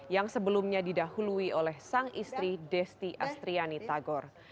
yang sebelumnya didahului oleh sang istri desti astriani tagor